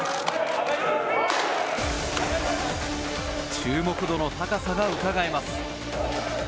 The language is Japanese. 注目度の高さがうかがえます。